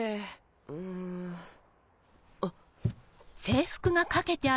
うん。あっ。